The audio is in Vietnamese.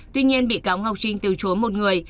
tuy nhiên bị cáo ngọc trinh từ chối một người